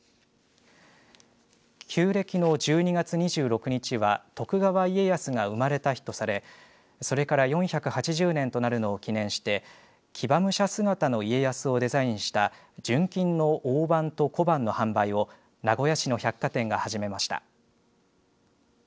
旧暦の１２月２６日は徳川家康が生まれた日とされそれから４８０年となるのを記念して騎馬武者姿の家康をデザインした純金の大判と小判の販売を名古屋市の百貨店が始めました。